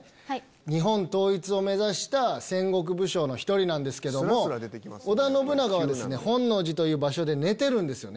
日本統一を目指した戦国武将の一人なんですけども織田信長は本能寺という場所で寝てるんですよね。